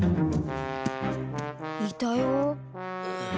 いたよ。